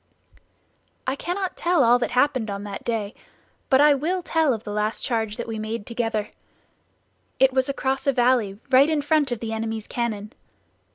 "I cannot tell all that happened on that day, but I will tell of the last charge that we made together; it was across a valley right in front of the enemy's cannon.